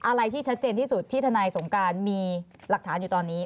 อะไรที่ชัดเจนที่สุดที่ทนายสงการมีหลักฐานอยู่ตอนนี้